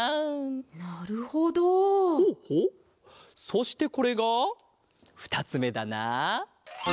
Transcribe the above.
そしてこれがふたつめだな。